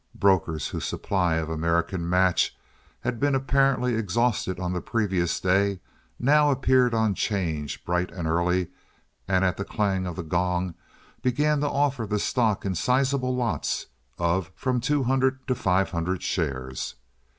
Brokers whose supply of American Match had been apparently exhausted on the previous day now appeared on 'change bright and early, and at the clang of the gong began to offer the stock in sizable lots of from two hundred to five hundred shares.